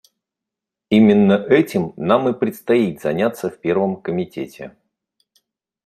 Именно этим нам и предстоит заняться в Первом комитете.